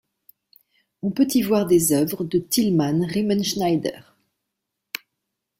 On peut y voir des œuvres de Tilman Riemenschneider.